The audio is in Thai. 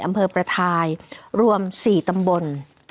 อำเภอประทายรวม๔ตำบล